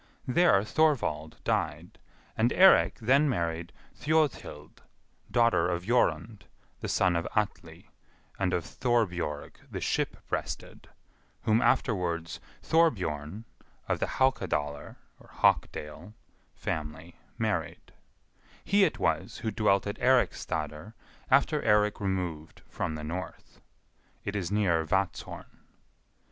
There Thorvald died, and Eirik then married Thjodhild, daughter of Jorund, the son of Atli, and of Thorbjorg the Ship breasted, whom afterwards Thorbjorn, of the Haukadalr (Hawkdale) family, married; he it was who dwelt at Eiriksstadr after Eirik removed from the north. It is near Vatzhorn.